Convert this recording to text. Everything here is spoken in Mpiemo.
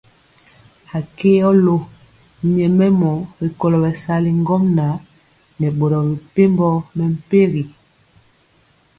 Akɛolo nyɛmemɔ rikolo bɛsali ŋgomnaŋ nɛ boro mepempɔ mɛmpegi.